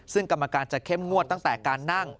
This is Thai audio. ซึ่งกรรมการจะเข้มงวดตั้งแต่การนั่ง